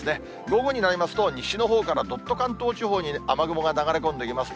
午後になりますと、西のほうからどっと関東地方に雨雲が流れ込んできます。